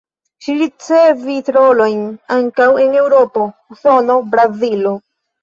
Ŝi ricevis rolojn ankaŭ en Eŭropo, Usono, Brazilo.